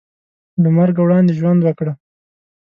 له مرګه وړاندې ژوند وکړه .